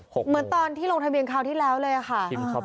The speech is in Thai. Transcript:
เหมือนตอนที่ลงทะเบียนคราวที่แล้วเลยค่ะ